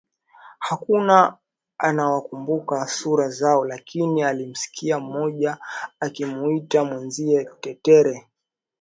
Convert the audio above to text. Hakua anawakumbuka sura zao lakini alimsikia mmoja akimuita mwenzie Tetere